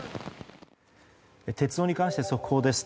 鉄道に関して速報です。